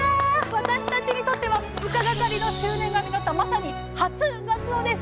私たちにとっては２日がかりの執念が実ったまさに「初」がつおです！